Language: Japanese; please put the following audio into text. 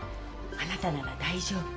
あなたなら大丈夫。